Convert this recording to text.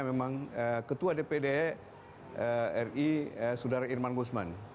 memang ketua dpdri sudara irman gursman